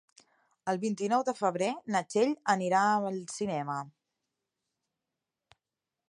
El vint-i-nou de febrer na Txell anirà al cinema.